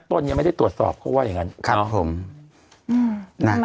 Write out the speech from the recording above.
ตอนนี้ไม่ได้ตรวจสอบเขาว่ายัยงั้นนะครับนะ